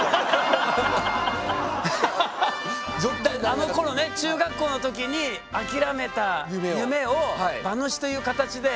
あのころね中学校の時に諦めた夢を馬主という形で。